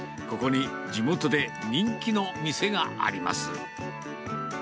ここに地元で人気の店があります。